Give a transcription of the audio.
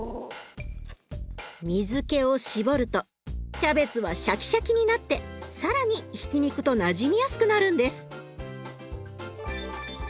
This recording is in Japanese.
水けを絞るとキャベツはシャキシャキになって更にひき肉となじみやすくなるんです。